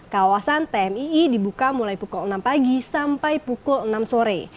kawasan tmii dibuka mulai pukul enam pagi sampai pukul enam sore